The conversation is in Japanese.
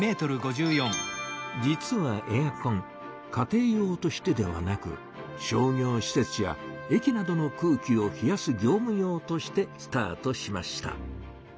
実はエアコン家庭用としてではなく商業しせつや駅などの空気を冷やす業む用としてスタートしました。